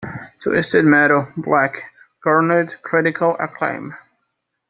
"Twisted Metal: Black" garnered critical acclaim.